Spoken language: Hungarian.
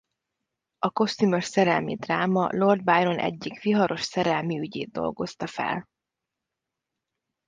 A kosztümös szerelmi dráma Lord Byron egyik viharos szerelmi ügyét dolgozta fel.